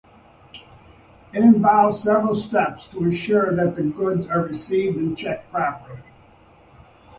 It involves several steps to ensure that the goods are received and checked properly.